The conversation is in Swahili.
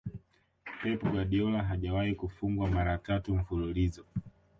Pep guardiola hajawahi kufungwa mara tatu mfululizo